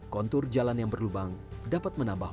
kontur jalan yang berlubang dapat menambah